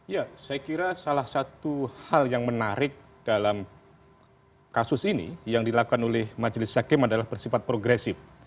ya saya kira salah satu hal yang menarik dalam kasus ini yang dilakukan oleh majelis hakim adalah bersifat progresif